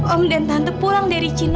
om dan tante pulang dari cina